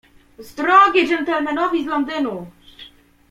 "Z drogi gentlemanowi z Londynu!"